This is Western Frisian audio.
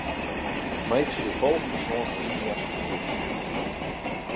Meitsje de folgjende sân alinea's kursyf.